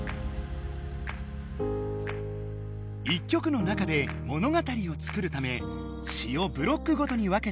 １曲の中でものがたりを作るため詞をブロックごとに分けて書き